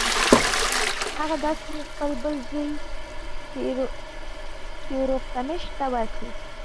هغه دا سیمې خپل بل زوی سیورغتمش ته ورکړې.